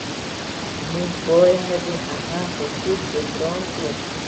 موږ باید هغه حقوق جبران کړو.